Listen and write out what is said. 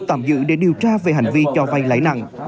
tạm giữ để điều tra về hành vi cho vay lãi nặng